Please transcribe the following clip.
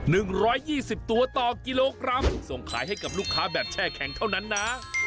หนึ่งร้อยยี่สิบตัวต่อกิโลกรัมส่งขายให้กับลูกค้าแบบแช่แข็งเท่านั้นนะ